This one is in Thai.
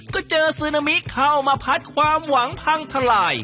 ก็เจอซึนามิเข้ามาพัดความหวังพังทลาย